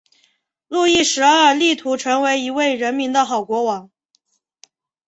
路易十二力图成为一位人民的好国王。